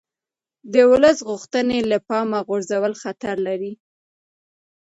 د ولس غوښتنې له پامه غورځول خطر لري